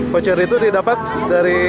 voucher itu didapat dari apa